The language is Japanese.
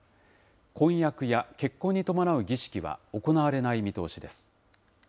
婚約や結婚に伴う儀式は行われない見通しです。